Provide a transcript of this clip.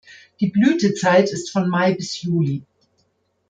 Die Blütezeit ist von Mai bis Juli.